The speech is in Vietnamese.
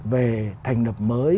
về thành lập mới